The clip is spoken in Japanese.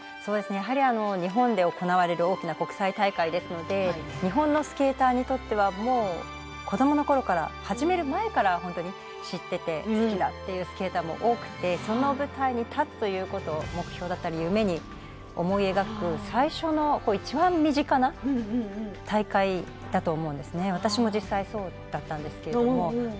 やはり日本で行われる大きな国際大会ですので日本のスケーターにとっては子どものころから、始める前から知っていて好きだというスケーターも多くてその舞台に立つということを目標だったり夢に思い描く最初のいちばん身近な大会だと思うんですね、私も実際そうだったんですけれども。